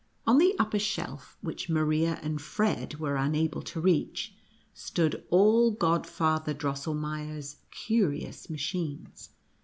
On the upper shelf, which Maria and Fred were unable to reach, stood all Godfather Drossel meier's curious machines.